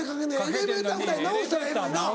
エレベーターぐらい直したらええのにな。